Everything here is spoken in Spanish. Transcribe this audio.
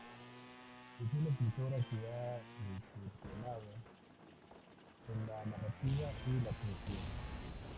Es una escritora que ha incursionado en la narrativa y la poesía.